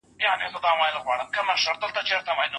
علم څه شی منځ ته راوړي؟